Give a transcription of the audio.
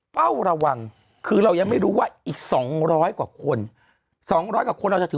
เฝ้าระวังคือเรายังไม่รู้ว่าอีก๒๐๐กว่าคน๒๐๐กว่าคนเราจะถือ